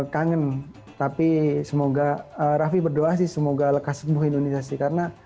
kangen tapi semoga raffi berdoa sih semoga lekas sembuh indonesia sih karena